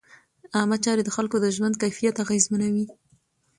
عامه چارې د خلکو د ژوند کیفیت اغېزمنوي.